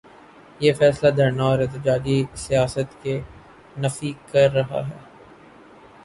یہ فیصلہ دھرنا اور احتجاجی سیاست کی نفی کر رہا ہے۔